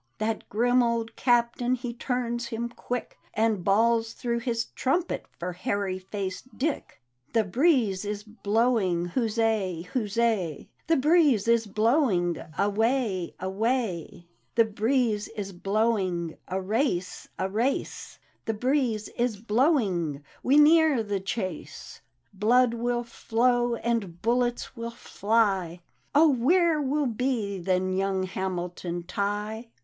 " That grim old Captain he turns him quick. And bawls through his trumpet for Hairy faced Dick. "The breeze is blowing — huzzal huzza! The breeze is blowing — away ! away! The breeze is blowing — a race I a race I The breeze is blowing — we near the chase 1 Blood will flow, and bullets will fly, — Oh, where will be then young Hamilton Tig^c?